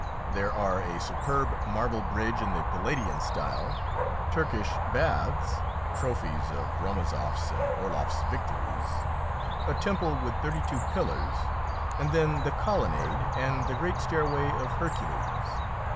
There are a superb marble bridge in the Palladian style, Turkish baths trophies of Romazoff's and Orloff's victories a temple with thirty two pillars, and then the colonnade and the great stairway of Hercules.